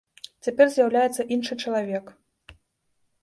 Цяпер з'яўляецца іншы чалавек.